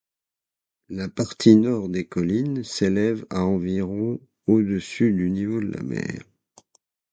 La partie nord des collines s'élève à environ au-dessus du niveau de la mer.